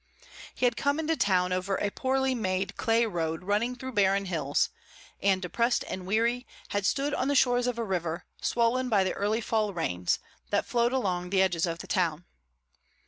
He had come into town over a poorly made clay road running through barren hills, and, depressed and weary, had stood on the shores of a river, swollen by the early fall rains, that flowed along the edges of the town.